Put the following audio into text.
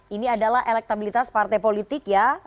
ini adalah elektabilitas partai politik ya